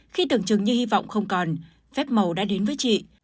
khi tưởng chừng như hy vọng không còn phép màu đã đến với chị